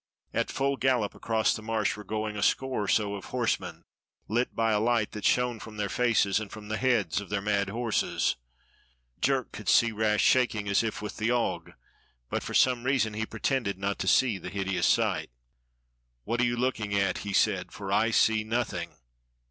At full gallop across the Marsh were going a score or 68 DOCTOR SYN so of horsemen, lit by a light that shone from their faces and from the heads of their mad horses. Jerk could see Rash shaking as if with the ague, but for some reason he pretended not to see the hideous sight. "What are you looking at.^^" he said, "for I see nothing."